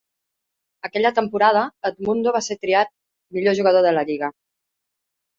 Aquella temporada, Edmundo va ser triat millor jugador de la lliga.